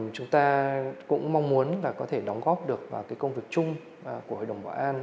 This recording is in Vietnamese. chúng ta cũng mong muốn là có thể đóng góp được vào công việc chung của hội đồng bảo an